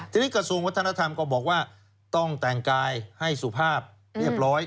ทีนี้กระทรวงวัฒนธรรมก็บอกว่าต้องแต่งกายให้สุภาพเรียบร้อย